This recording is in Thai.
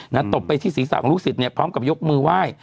ตบไปที่ศีรษะของลูกศิษย์เนี่ยพร้อมกับยกมือไหว้